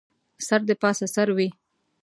سر دې پاسه سر وي